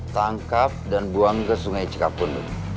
tangkap dan buang ke sungai cikapundung